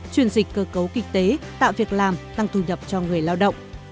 truyền dịch cơ cấu kinh tế tạo việc làm tăng thu nhập cho người lao động